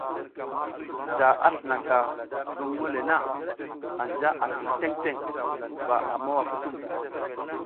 Da a slinaka zuŋ le na, anja a kil teŋ teŋ, ba a mowa kutum.